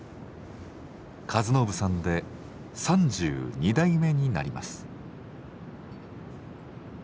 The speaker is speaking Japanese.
和信さんで３２代目になります。